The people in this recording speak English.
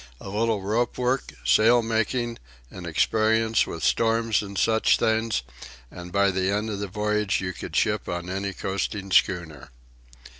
A little rope work, sail making, and experience with storms and such things, and by the end of the voyage you could ship on any coasting schooner."